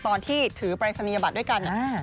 ตอนที่ถือปรายศนียบัตรด้วยกัน